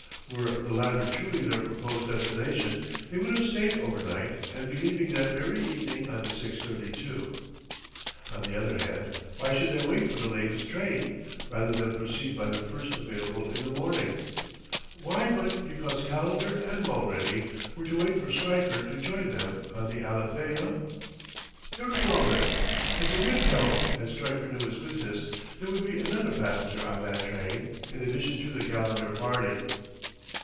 Were the latter truly their purposed destination, they would have stayed overnight and be leaving that very evening on the 6:32. On the other hand, why should they wait for the latest train, rather than proceed by the first available in the morning? Why but because Calendar and Mulready were to wait for Stryker to join them on the Alethea? Very well, then; if the wind held and Stryker knew his business, there would be another passenger on that train, in addition to the Calendar party.